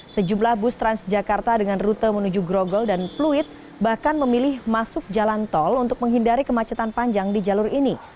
sejumlah bus transjakarta dengan rute menuju grogol dan pluit bahkan memilih masuk jalan tol untuk menghindari kemacetan panjang di jalur ini